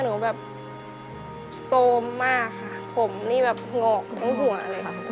หนูแบบโซมมากค่ะผมนี่แบบหงอกทั้งหัวเลยค่ะ